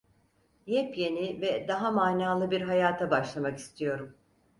Yepyeni ve daha manalı bir hayata başlamak istiyorum…